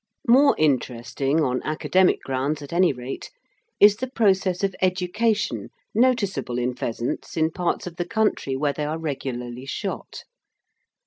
More interesting, on academic grounds at any rate, is the process of education noticeable in pheasants in parts of the country where they are regularly shot.